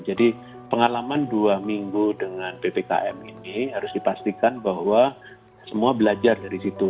jadi pengalaman dua minggu dengan ppkm ini harus dipastikan bahwa semua belajar dari situ